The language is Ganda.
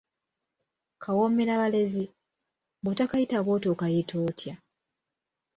Kawoomerabalezi, bw'otokayita bw'otyo okayita otya?